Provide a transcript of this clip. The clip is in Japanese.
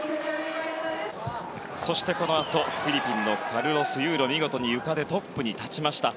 そして、このあとフィリピンのカルロス・ユーロ見事にゆかでトップに立ちました。